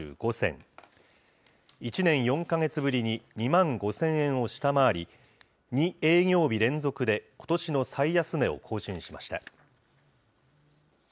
１年４か月ぶりに２万５０００円を下回り、２営業日連続でことしの最安値を更新しました。